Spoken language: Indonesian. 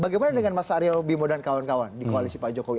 bagaimana dengan mas aryo bimo dan kawan kawan di koalisi pak jokowi